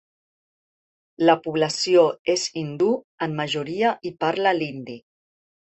La població és hindú en majoria i parla l'hindi.